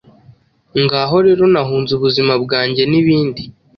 Ngaho rero nahunze ubuzima bwanjyenibindi